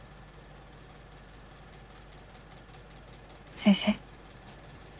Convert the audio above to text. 先生？